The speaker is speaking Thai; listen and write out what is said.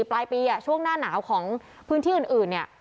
ปลายปีช่วงหน้าหนาวของพื้นที่อื่นเนี่ย